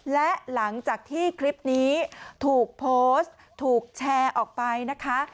และหลังจากที่คลิปนี้ถูกโพสต์ถูกแชร์ออกไปนะคะ